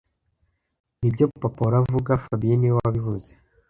Nibyo papa ahora avuga fabien niwe wabivuze